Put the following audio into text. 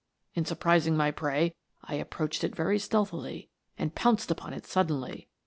In surprising my prey, I ap proached it very stealthily, and pounced upon it suddenly.